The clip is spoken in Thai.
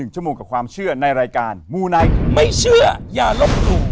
ชั่วโมงกับความเชื่อในรายการมูไนท์ไม่เชื่ออย่าลบหลู่